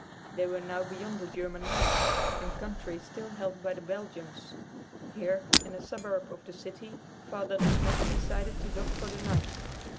They wore now beyond the German lines in country still held by the Belgians. Here, in a suburb of the city, Father De Smet decided to dock for the night.